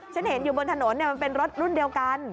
ฉันเห็นอยู่บนถนนมันเป็นรถรุ่นเดียวกัน